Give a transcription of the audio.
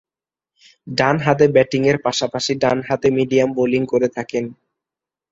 ডানহাতে ব্যাটিংয়ের পাশাপাশি ডানহাতে মিডিয়াম বোলিং করে থাকেন।